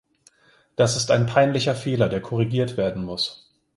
Das ist ein peinlicher Fehler, der korrigiert werden muss.